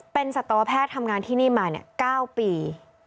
เป็นสัตวแพทย์ทำงานที่นี่มา๙ปี